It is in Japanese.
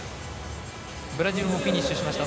ブラジルもフィニッシュしました。